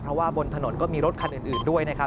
เพราะว่าบนถนนก็มีรถคันอื่นด้วยนะครับ